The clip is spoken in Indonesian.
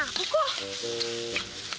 bukan nasi goreng aku kok